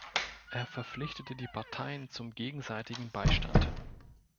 Er verpflichtete die Parteien zum gegenseitigen Beistand.